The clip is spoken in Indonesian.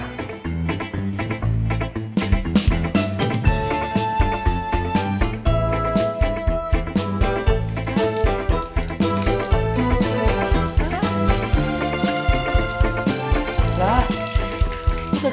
gak ada yang kaget